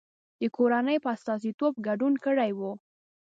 د کورنۍ په استازیتوب ګډون کړی و.